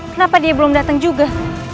kenapa dia belum datang juga